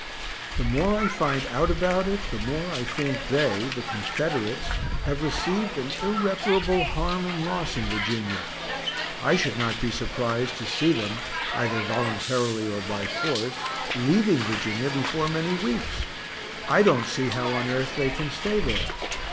The more I find out about it, the more I think they, the Confederates, have received an irreparable harm and loss in Virginia I should not be surprised to see them (either voluntarily or by force) leaving Virginia before many weeks; I don't see how on earth they can stay there.